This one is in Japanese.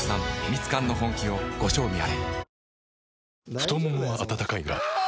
太ももは温かいがあ！